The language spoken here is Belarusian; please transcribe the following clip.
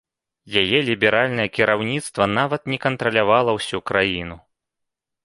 Яе ліберальнае кіраўніцтва нават не кантралявала ўсю краіну.